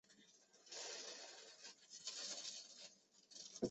东侧不远则是施高塔路口的内山书店。